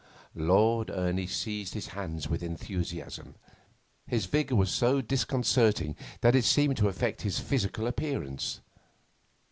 Lord Ernie seized his hands with enthusiasm. His vigour was so disconcerting that it seemed to affect his physical appearance.